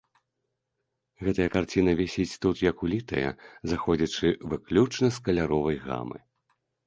Гэтая карціна вісіць тут як улітая, зыходзячы выключна з каляровай гамы.